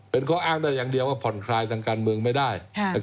เป็นข้ออ้างได้อย่างเดียวว่าผ่อนคลายทางการเมืองไม่ได้